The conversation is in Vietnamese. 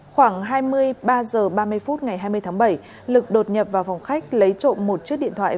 khoảng hai mươi ba h ba mươi phút ngày hai mươi tháng bảy lực đột nhập vào phòng khách lấy trộm một chiếc điện thoại